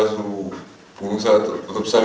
maksudnya nggak peduli saudara saya suruh